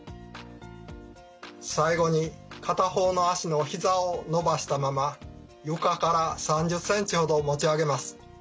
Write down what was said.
最後に片方の足のひざを伸ばしたまま床から３０ｃｍほど持ち上げます。